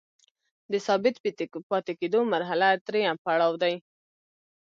د ثابت پاتې کیدو مرحله دریم پړاو دی.